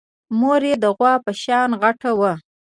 مور يې د غوا په شان غټه وه.